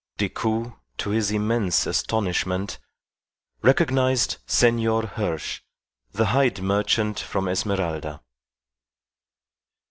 Decoud, to his immense astonishment, recognized Senor Hirsch, the hide merchant from Esmeralda.